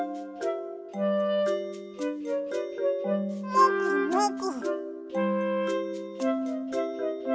もぐもぐ。